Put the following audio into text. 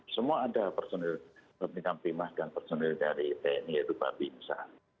semua ada personil ketikam pimah dan personil dari tni yaitu bapin sadiqa